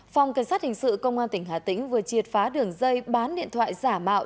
phòng cảnh sát hình sự công an tỉnh hà tĩnh vừa triệt phá đường dây bán điện thoại giả mạo